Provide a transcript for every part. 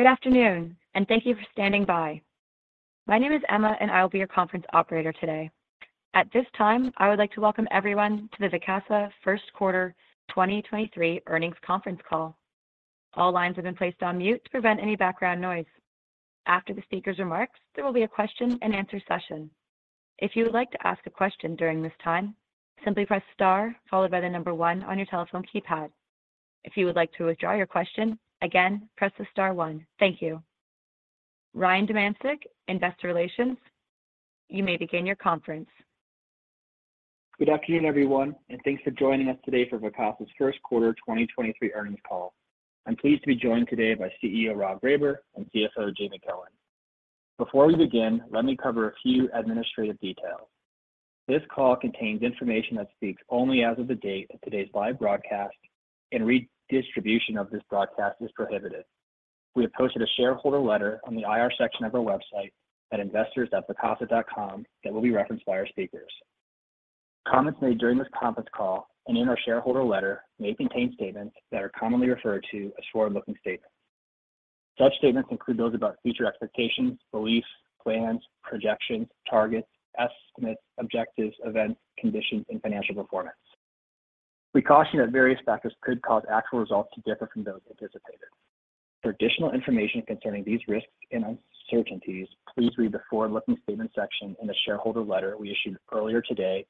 Good afternoon. Thank you for standing by. My name is Emma. I will be your conference operator today. At this time, I would like to welcome everyone to the Vacasa first quarter 2023 earnings conference call. All lines have been placed on mute to prevent any background noise. After the speaker's remarks, there will be a question-and-answer session. If you would like to ask a question during this time, simply press star one on your telephone keypad. If you would like to withdraw your question, again, press star one. Thank you. Ryan Domyancic, Investor Relations, you may begin your conference. Good afternoon, everyone, thanks for joining us today for Vacasa's first quarter 2023 earnings call. I'm pleased to be joined today by CEO Rob Greyber and CFO Jamie Cohen. Before we begin, let me cover a few administrative details. This call contains information that speaks only as of the date of today's live broadcast and redistribution of this broadcast is prohibited. We have posted a shareholder letter on the IR section of our website at investors.vacasa.com that will be referenced by our speakers. Comments made during this conference call and in our shareholder letter may contain statements that are commonly referred to as forward-looking statements. Such statements include those about future expectations, beliefs, plans, projections, targets, estimates, objectives, events, conditions, and financial performance. We caution that various factors could cause actual results to differ from those anticipated. For additional information concerning these risks and uncertainties, please read the forward-looking statements section in the shareholder letter we issued earlier today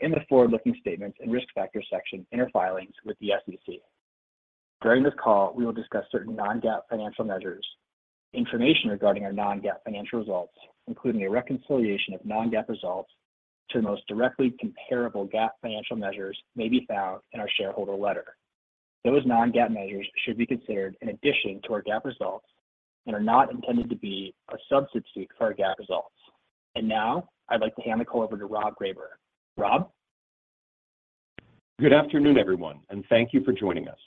and the forward-looking statements and risk factors section in our filings with the SEC. During this call, we will discuss certain non-GAAP financial measures. Information regarding our non-GAAP financial results, including a reconciliation of non-GAAP results to the most directly comparable GAAP financial measures, may be found in our shareholder letter. Those non-GAAP measures should be considered in addition to our GAAP results and are not intended to be a substitute for our GAAP results. Now, I'd like to hand the call over to Rob Greyber. Rob. Good afternoon, everyone. Thank you for joining us.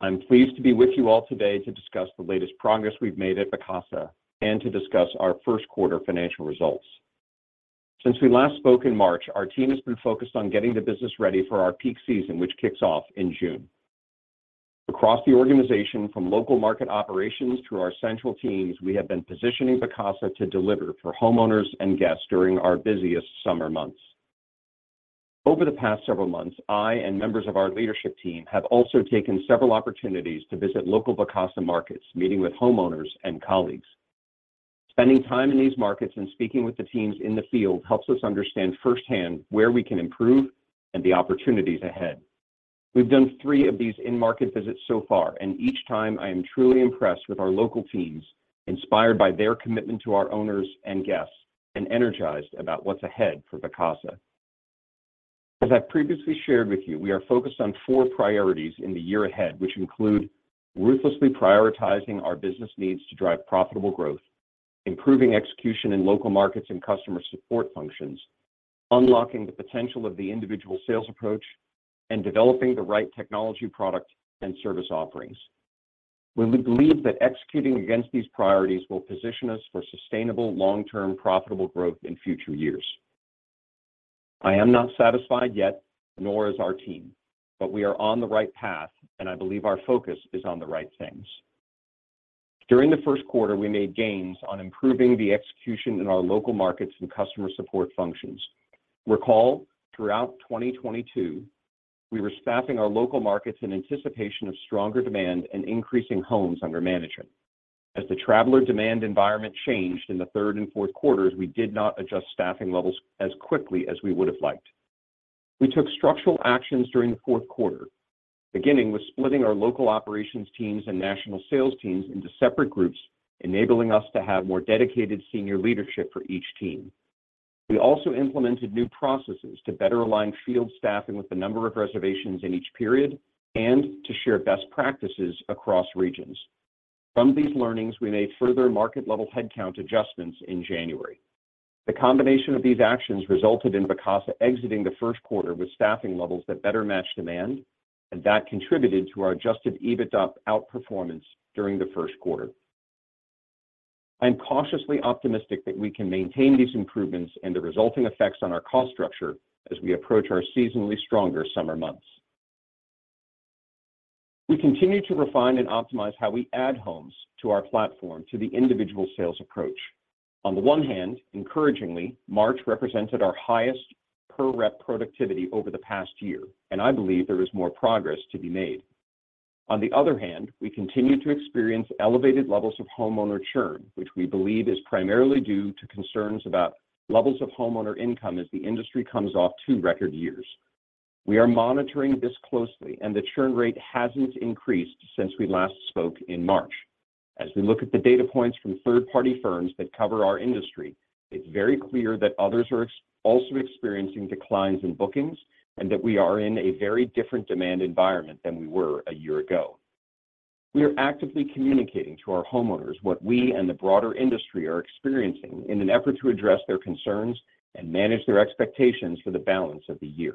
I'm pleased to be with you all today to discuss the latest progress we've made at Vacasa and to discuss our first quarter financial results. Since we last spoke in March, our team has been focused on getting the business ready for our peak season, which kicks off in June. Across the organization, from local market operations to our central teams, we have been positioning Vacasa to deliver for homeowners and guests during our busiest summer months. Over the past several months, I and members of our leadership team have also taken several opportunities to visit local Vacasa markets, meeting with homeowners and colleagues. Spending time in these markets and speaking with the teams in the field helps us understand firsthand where we can improve and the opportunities ahead. We've done three of these in-market visits so far, and each time I am truly impressed with our local teams, inspired by their commitment to our owners and guests, and energized about what's ahead for Vacasa. As I've previously shared with you, we are focused on four priorities in the year ahead, which include ruthlessly prioritizing our business needs to drive profitable growth, improving execution in local markets and customer support functions, unlocking the potential of the individual sales approach, and developing the right technology product and service offerings. We believe that executing against these priorities will position us for sustainable long-term profitable growth in future years. I am not satisfied yet, nor is our team, but we are on the right path, and I believe our focus is on the right things. During the first quarter, we made gains on improving the execution in our local markets and customer support functions. Recall throughout 2022, we were staffing our local markets in anticipation of stronger demand and increasing homes under management. As the traveler demand environment changed in the third and fourth quarters, we did not adjust staffing levels as quickly as we would have liked. We took structural actions during the fourth quarter, beginning with splitting our local operations teams and national sales teams into separate groups, enabling us to have more dedicated senior leadership for each team. We also implemented new processes to better align field staffing with the number of reservations in each period and to share best practices across regions. From these learnings, we made further market-level headcount adjustments in January. The combination of these actions resulted in Vacasa exiting the first quarter with staffing levels that better match demand, and that contributed to our Adjusted EBITDA outperformance during the first quarter. I'm cautiously optimistic that we can maintain these improvements and the resulting effects on our cost structure as we approach our seasonally stronger summer months. We continue to refine and optimize how we add homes to our platform to the individual sales approach. On the one hand, encouragingly, March represented our highest per rep productivity over the past year, and I believe there is more progress to be made. On the other hand, we continue to experience elevated levels of homeowner churn, which we believe is primarily due to concerns about levels of homeowner income as the industry comes off two record years. We are monitoring this closely, the churn rate hasn't increased since we last spoke in March. As we look at the data points from third-party firms that cover our industry, it's very clear that others are also experiencing declines in bookings and that we are in a very different demand environment than we were a year ago. We are actively communicating to our homeowners what we and the broader industry are experiencing in an effort to address their concerns and manage their expectations for the balance of the year.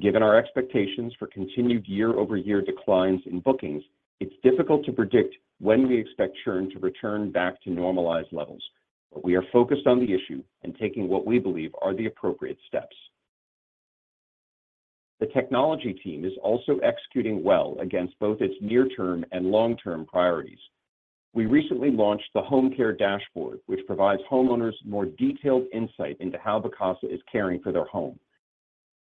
Given our expectations for continued year-over-year declines in bookings, it's difficult to predict when we expect churn to return back to normalized levels. We are focused on the issue and taking what we believe are the appropriate steps. The technology team is also executing well against both its near-term and long-term priorities. We recently launched the Home Care Dashboard, which provides homeowners more detailed insight into how Vacasa is caring for their home.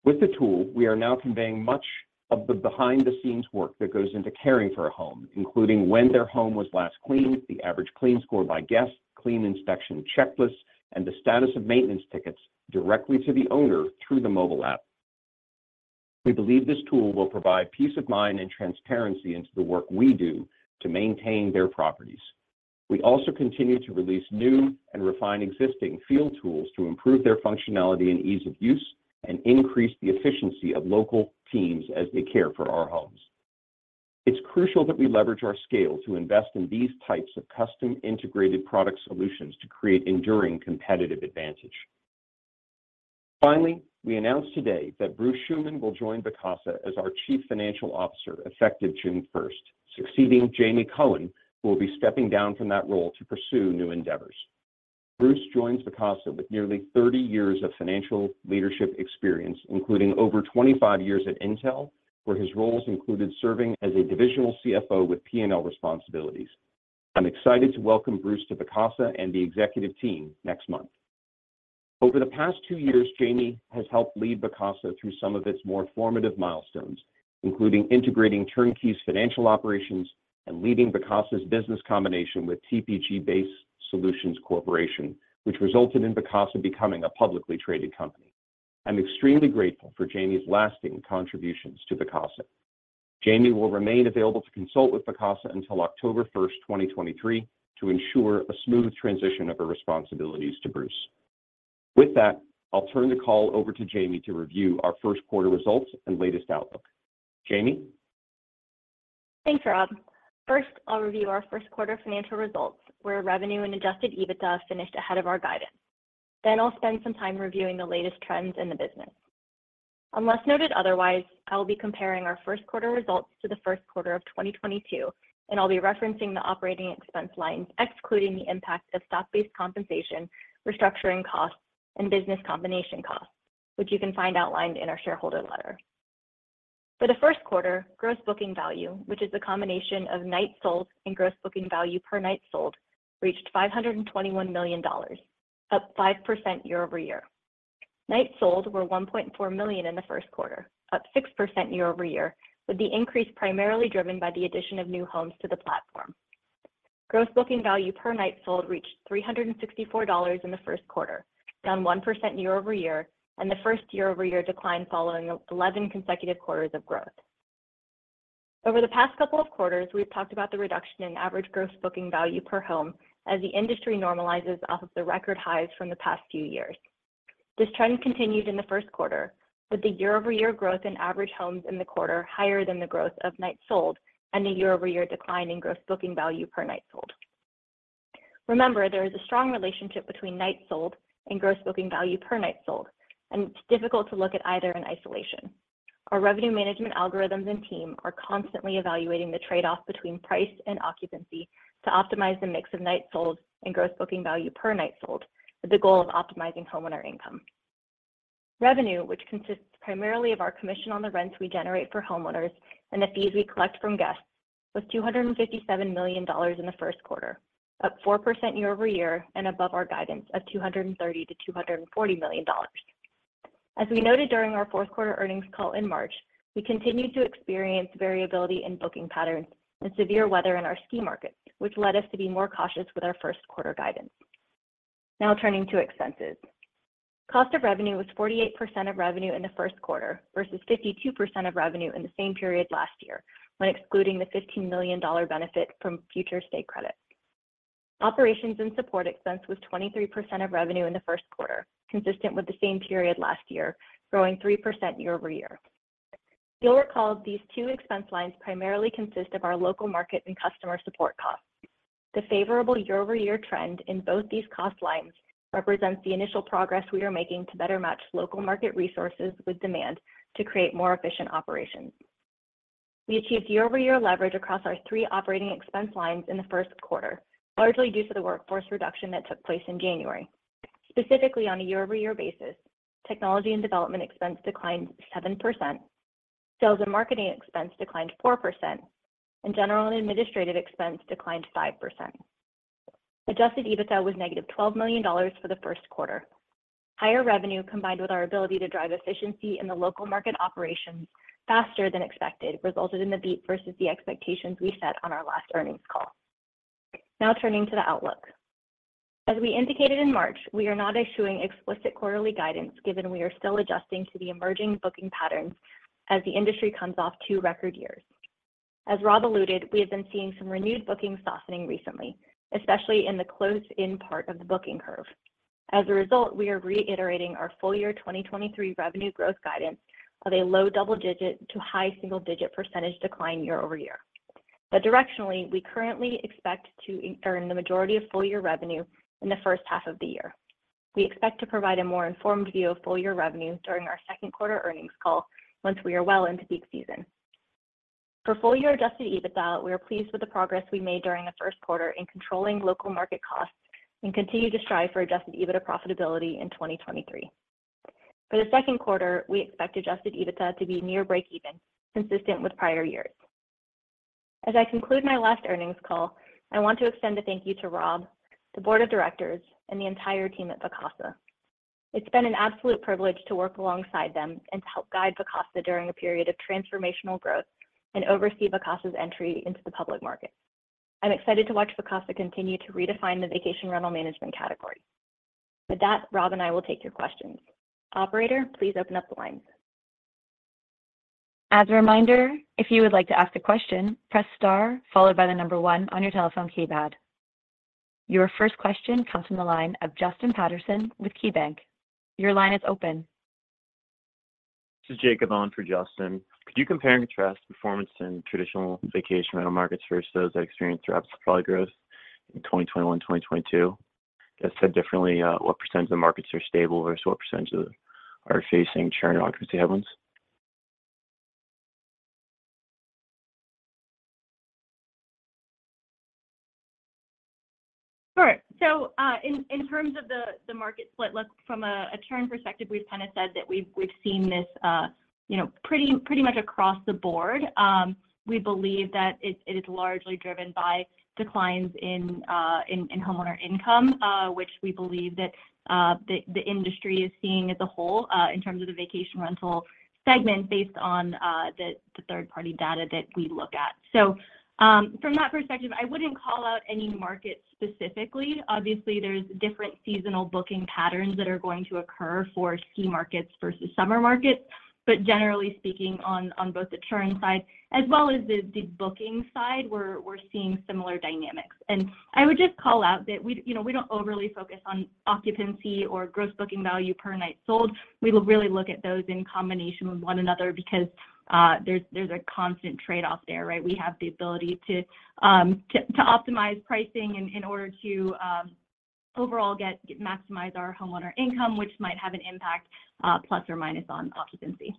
With the tool, we are now conveying much of the behind-the-scenes work that goes into caring for a home, including when their home was last cleaned, the average clean score by guest, clean inspection checklist, and the status of maintenance tickets directly to the owner through the mobile app. We believe this tool will provide peace of mind and transparency into the work we do to maintain their properties. We also continue to release new and refine existing field tools to improve their functionality and ease of use and increase the efficiency of local teams as they care for our homes. It's crucial that we leverage our scale to invest in these types of custom integrated product solutions to create enduring competitive advantage. Finally, we announced today that Bruce Schuman will join Vacasa as our Chief Financial Officer effective June 1st, succeeding Jamie Cohen, who will be stepping down from that role to pursue new endeavors. Bruce joins Vacasa with nearly 30 years of financial leadership experience, including over 25 years at Intel, where his roles included serving as a divisional CFO with P&L responsibilities. I'm excited to welcome Bruce to Vacasa and the executive team next month. Over the past two years, Jamie has helped lead Vacasa through some of its more formative milestones, including integrating TurnKey's financial operations and leading Vacasa's business combination with TPG Pace Solutions Corp., which resulted in Vacasa becoming a publicly traded company. I'm extremely grateful for Jamie's lasting contributions to Vacasa. Jamie will remain available to consult with Vacasa until October 1st, 2023 to ensure a smooth transition of her responsibilities to Bruce. With that, I'll turn the call over to Jamie to review our first quarter results and latest outlook. Jamie? Thanks, Rob. First, I'll review our first quarter financial results, where revenue and Adjusted EBITDA finished ahead of our guidance. I'll spend some time reviewing the latest trends in the business. Unless noted otherwise, I'll be comparing our first quarter results to the first quarter of 2022, and I'll be referencing the operating expense lines, excluding the impact of stock-based compensation, restructuring costs, and business combination costs, which you can find outlined in our shareholder letter. For the first quarter, gross booking value, which is the combination of nights sold and gross booking value per night sold, reached $521 million, up 5% year-over-year. Nights sold were 1.4 million in the first quarter, up 6% year-over-year, with the increase primarily driven by the addition of new homes to the platform. Gross booking value per night sold reached $364 in the first quarter, down 1% year-over-year and the first year-over-year decline following 11 consecutive quarters of growth. Over the past couple of quarters, we've talked about the reduction in average gross booking value per home as the industry normalizes off of the record highs from the past few years. This trend continued in the first quarter, with the year-over-year growth in average homes in the quarter higher than the growth of nights sold and a year-over-year decline in gross booking value per night sold. Remember, there is a strong relationship between nights sold and gross booking value per night sold, and it's difficult to look at either in isolation. Our revenue management algorithms and team are constantly evaluating the trade-off between price and occupancy to optimize the mix of nights sold and gross booking value per night sold, with the goal of optimizing homeowner income. Revenue, which consists primarily of our commission on the rents we generate for homeowners and the fees we collect from guests, was $257 million in the first quarter, up 4% year-over-year and above our guidance of $230 million-$240 million. As we noted during our fourth quarter earnings call in March, we continued to experience variability in booking patterns and severe weather in our ski markets, which led us to be more cautious with our first quarter guidance. Turning to expenses. Cost of revenue was 48% of revenue in the first quarter versus 52% of revenue in the same period last year, when excluding the $15 million benefit from future state credits. Operations and support expense was 23% of revenue in the first quarter, consistent with the same period last year, growing 3% year-over-year. You'll recall these two expense lines primarily consist of our local market and customer support costs. The favorable year-over-year trend in both these cost lines represents the initial progress we are making to better match local market resources with demand to create more efficient operations. We achieved year-over-year leverage across our three operating expense lines in the first quarter, largely due to the workforce reduction that took place in January. Specifically, on a year-over-year basis, technology and development expense declined 7%, sales and marketing expense declined 4%, and general and administrative expense declined 5%. Adjusted EBITDA was -$12 million for the first quarter. Higher revenue, combined with our ability to drive efficiency in the local market operations faster than expected, resulted in the beat versus the expectations we set on our last earnings call. Turning to the outlook. As we indicated in March, we are not issuing explicit quarterly guidance given we are still adjusting to the emerging booking patterns as the industry comes off two record years. As Rob alluded, we have been seeing some renewed booking softening recently, especially in the close-in part of the booking curve. As a result, we are reiterating our full year 2023 revenue growth guidance of a low double-digit to high single-digit % decline year-over-year. Directionally, we currently expect to earn the majority of full year revenue in the first half of the year. We expect to provide a more informed view of full year revenue during our second quarter earnings call once we are well into peak season. For full year Adjusted EBITDA, we are pleased with the progress we made during the first quarter in controlling local market costs and continue to strive for Adjusted EBITDA profitability in 2023. For the second quarter, we expect Adjusted EBITDA to be near breakeven, consistent with prior years. As I conclude my last earnings call, I want to extend a thank you to Rob, the board of directors, and the entire team at Vacasa. It's been an absolute privilege to work alongside them and to help guide Vacasa during a period of transformational growth and oversee Vacasa's entry into the public market. I'm excited to watch Vacasa continue to redefine the vacation rental management category. With that, Rob and I will take your questions. Operator, please open up the lines. As a reminder, if you would like to ask a question, press star followed by the number one on your telephone keypad. Your first question comes from the line of Justin Patterson with KeyBank. Your line is open. This is Jake Avon for Justin. Could you compare and contrast performance in traditional vacation rental markets versus those that experienced rough supply growth in 2021, 2022? I said differently, what % of the markets are stable versus what % of them are facing churn occupancy headwinds? Sure. In terms of the market split, look, from a churn perspective, we've kinda said that we've seen this, you know, pretty much across the board. We believe that it is largely driven by declines in homeowner income, which we believe that the industry is seeing as a whole, in terms of the vacation rental segment based on the third-party data that we look at. From that perspective, I wouldn't call out any market specifically. Obviously, there's different seasonal booking patterns that are going to occur for ski markets versus summer markets. Generally speaking on both the churn side as well as the booking side, we're seeing similar dynamics. I would just call out that we, you know, we don't overly focus on occupancy or gross booking value per night sold. We will really look at those in combination with one another because there's a constant trade-off there, right? We have the ability to optimize pricing in order to overall get maximize our homeowner income, which might have an impact plus or minus on occupancy.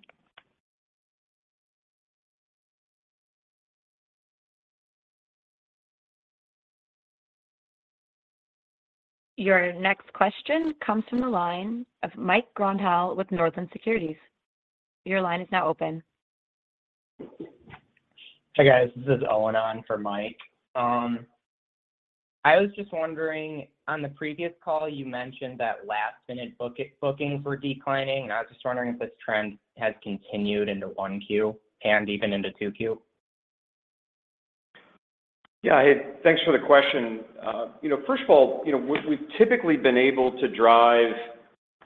Your next question comes from the line of Michael Grondahl with Northland Securities. Your line is now open. Hi, guys. This is Owen on for Michael. I was just wondering, on the previous call, you mentioned that last-minute booking were declining. I was just wondering if this trend has continued into 1Q and even into 2Q. Yeah. Hey, thanks for the question. You know, first of all, you know, we've typically been able to drive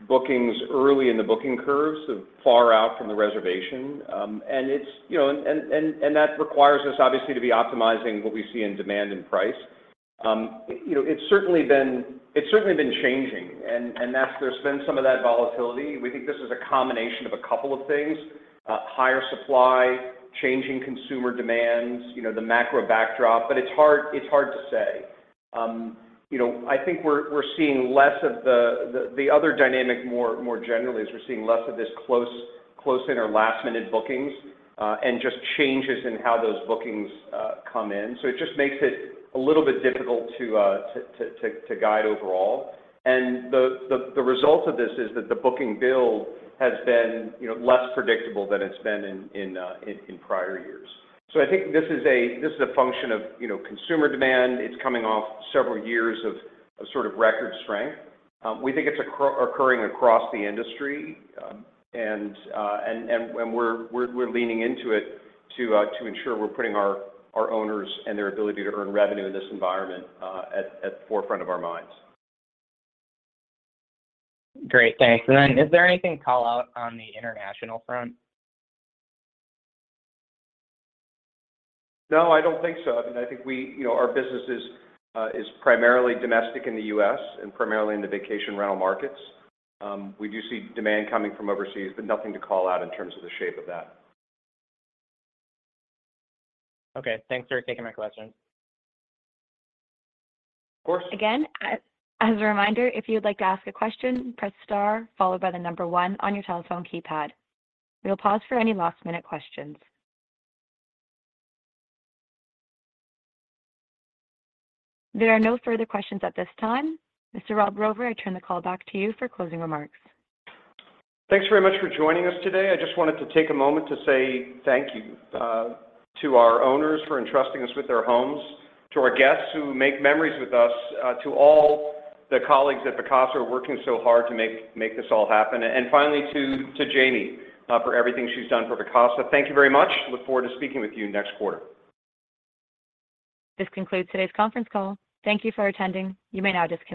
bookings early in the booking curves, so far out from the reservation. It's, you know, that requires us obviously to be optimizing what we see in demand and price. You know, it's certainly been, it's certainly been changing and there's been some of that volatility. We think this is a combination of a couple of things, higher supply, changing consumer demands, you know, the macro backdrop, it's hard to say. You know, I think we're seeing less of the other dynamic more generally is we're seeing less of this close in our last-minute bookings, and just changes in how those bookings come in. It just makes it a little bit difficult to guide overall. The result of this is that the booking bill has been, you know, less predictable than it's been in prior years. I think this is a function of, you know, consumer demand. It's coming off several years of a sort of record strength. We think it's occurring across the industry. We're leaning into it to ensure we're putting our owners and their ability to earn revenue in this environment at the forefront of our minds. Great. Thanks. Is there anything to call out on the international front? I don't think so. I mean, I think we, you know, our business is primarily domestic in the U.S. and primarily in the vacation rental markets. We do see demand coming from overseas, but nothing to call out in terms of the shape of that. Okay. Thanks for taking my question. Of course. Again, as a reminder, if you'd like to ask a question, press star followed by one on your telephone keypad. We'll pause for any last-minute questions. There are no further questions at this time. Mr. Rob Greyber, I turn the call back to you for closing remarks. Thanks very much for joining us today. I just wanted to take a moment to say thank you, to our owners for entrusting us with their homes, to our guests who make memories with us, to all the colleagues at Vacasa who are working so hard to make this all happen. Finally, to Jamie, for everything she's done for Vacasa. Thank you very much. Look forward to speaking with you next quarter. This concludes today's conference call. Thank you for attending. You may now disconnect.